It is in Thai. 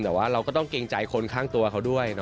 แต่ว่าเราก็ต้องเกรงใจคนข้างตัวเขาด้วย